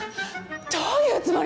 どういうつもりですか！？